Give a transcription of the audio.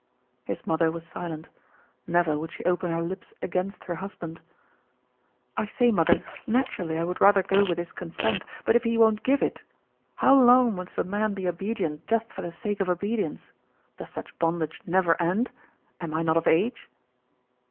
His mother was silent. Never would she open her lips against her husband. "I say, mother, naturally I would rather go with his consent, but if he won't give it How long must a man be obedient just for the sake of obedience? Does such bondage never end? Am I not of age?"